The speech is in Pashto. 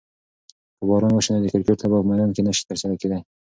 که باران وشي نو د کرکټ لوبه په میدان کې نشي ترسره کیدی.